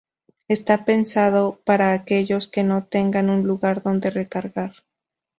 Está pensado para aquellos que no tengan un lugar donde recargar.